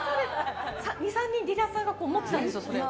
２３人ディーラーさんが持っていたんですよ。